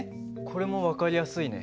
これも分かりやすいね。